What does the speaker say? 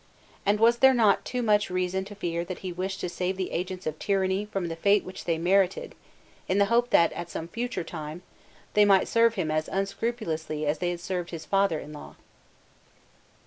And was there not too much reason to fear that he wished to save the agents of tyranny from the fate which they merited, in the hope that, at some future time, they might serve him as unscrupulously as they had served his father in law?